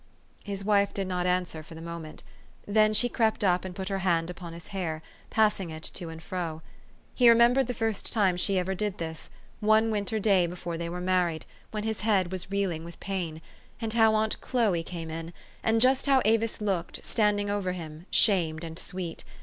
His wife did not answer for the moment ; then she crept up, and put her hand upon his hair, passing it to and fro. He remembered the first time she ever did this, one winter day before they were married, THE STORY OF AVIS. 415 when his head was reeling with pain ; and how aunt Chloe came in, and just how Avis looked, standing over him, shamed and sweet.